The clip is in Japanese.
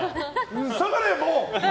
下がれ、もう！